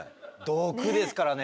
毒ですからね。